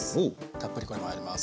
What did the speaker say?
たっぷりこれも入ります。